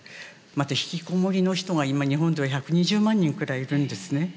また引きこもりの人が今日本では１２０万人くらいいるんですね。